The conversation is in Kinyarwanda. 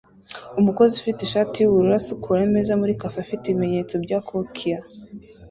Umukozi ufite ishati yubururu asukura ameza muri cafe afite ibimenyetso bya kokiya